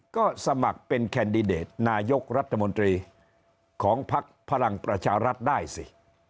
ก็สมัครเป็นแคนดิเดตนายกรัฐมนตรีของภักดิ์พลังประชารัฐได้สิ